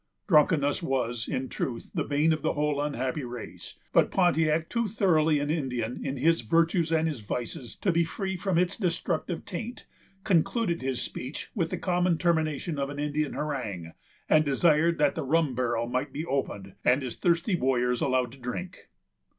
Drunkenness was, in truth, the bane of the whole unhappy race; but Pontiac, too thoroughly an Indian in his virtues and his vices to be free from its destructive taint, concluded his speech with the common termination of an Indian harangue, and desired that the rum barrel might be opened, and his thirsty warriors allowed to drink.